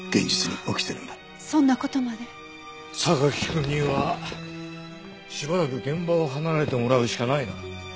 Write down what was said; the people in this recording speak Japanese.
榊くんにはしばらく現場を離れてもらうしかないな。